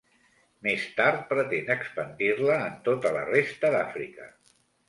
Més tard pretén expandir-la en tota la resta d'Àfrica.